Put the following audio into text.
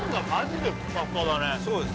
そうです